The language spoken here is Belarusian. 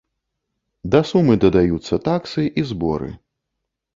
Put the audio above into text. Да сумы дадаюцца таксы і зборы.